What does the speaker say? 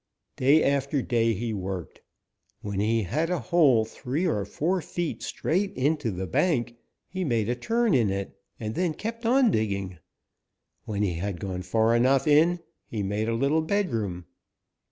Day after day he worked. When he had a hole three or four feet straight into the bank, he made a turn in it and then kept on digging. When he had gone far enough in, he made a little bedroom.